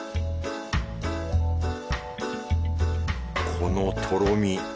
このとろみ。